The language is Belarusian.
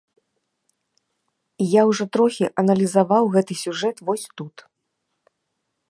Я ўжо трохі аналізаваў гэты сюжэт вось тут.